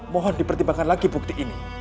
mohon dipertimbangkan lagi bukti ini